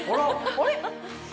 あれ？